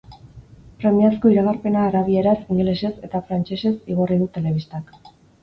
Premiazko iragarpena arabieraz, ingelesez eta frantsesez igorri du telebistak.